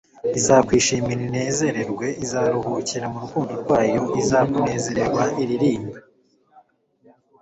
“Izakwishimira inezerewe, izaruhukira mu rukundo rwayo, izakunezererwa iririmba